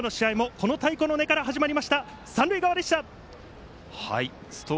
今日の試合もこの太鼓の音から始まりました。